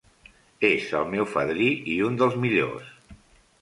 És el meu fadrí, i un dels millors.